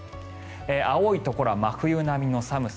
青いところは真冬並みの寒さ。